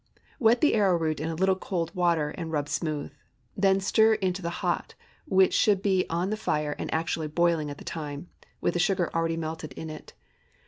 Wet the arrowroot in a little cold water, and rub smooth. Then stir into the hot, which should be on the fire and actually boiling at the time, with the sugar already melted in it.